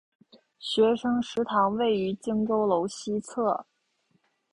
学生食堂位于荆州楼西侧。